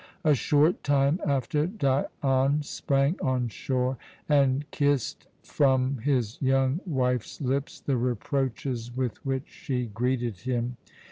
A short time after, Dion sprang on shore and kissed from his young wife's lips the reproaches with which she greeted him.